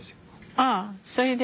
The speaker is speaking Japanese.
ああそれで？